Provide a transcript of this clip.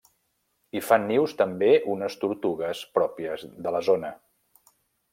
Hi fan nius també unes tortugues pròpies de la zona.